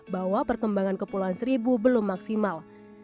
bahwa perkembangan kepulauan seribu belum maksimal